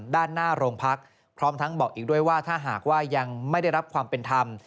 ด้านหน้าโรงพักพร้อมทั้งบอกอีกด้วยว่าถ้าหากว่ายังไม่ได้รับความเป็นธรรม